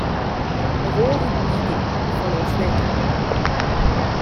A war with Midian follows later.